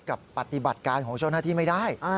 กับปฏิบัติการของชาวหน้าที่ไม่ได้